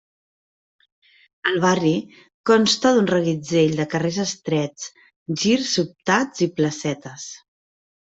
El barri consta d'un reguitzell de carrers estrets, girs sobtats, i placetes.